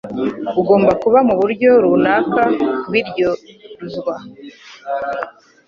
Ugomba kuba muburyo runaka kubiryozwa.